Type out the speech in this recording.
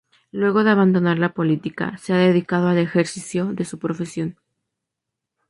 Luego de abandonar la política, se ha dedicado al ejercicio de su profesión.